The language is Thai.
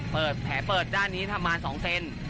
แผลเปิดด้านนี้ประมาณ๒เซน